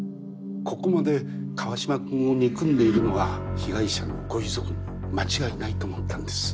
ここまで川島君を憎んでいるのは被害者のご遺族に間違いないと思ったんです。